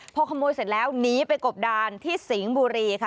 พอขโมยเสร็จแล้วหนีไปกบดานที่สิงห์บุรีค่ะ